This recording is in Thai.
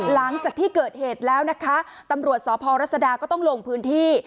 หลังจากที่เกิดเหตุแล้วนะคะตำรวจสพรัศดาก็ต้องลงพื้นที่